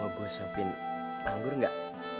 mau gue sopin anggur gak